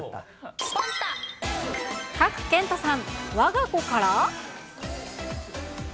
賀来賢人さん、わが子から？